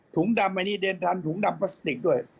ถุงดำอันนี้เดนดันถุงดำพลาสติกด้วย